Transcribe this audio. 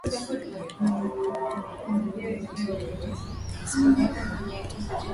namna ya kutafuta rafiki mwingine wa aina yake Waziri Ummy alisema amepata